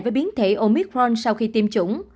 với biến thể omicron sau khi tiêm chủng